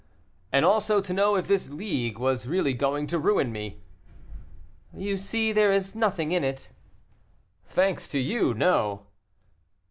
"And also to know if this League was really going to ruin me." "You see there is nothing in it." "Thanks to you, no."